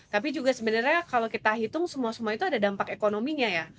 tapi juga sebenarnya kalau kita hitung semua semua itu ada dampak ekonominya ya